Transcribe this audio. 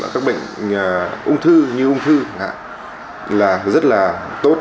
các bệnh ung thư như ung thư là rất là tốt